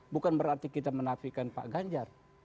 bukan berarti kita menafikan pak ganjar